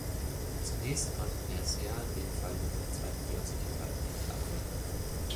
Zunächst konnte Mercer den Fall in die Zweitklassigkeit nicht abwenden.